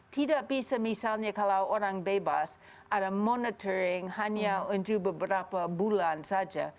tidak bisa misalnya kalau orang bebas ada monitoring hanya untuk beberapa bulan saja